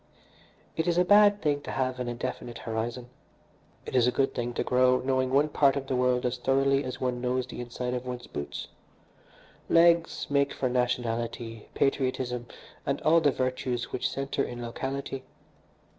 It is a bad thing to have an indefinite horizon. It is a good thing to grow knowing one part of the world as thoroughly as one knows the inside of one's boots. Legs make for nationality, patriotism, and all the virtues which centre in locality.